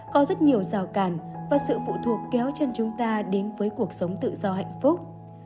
có rất nhiều rào càn và sự phụ thuộc kéo chân chúng ta đến với cuộc sống tự do hạnh phúc